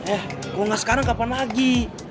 eh gue gak sekarang kapan lagi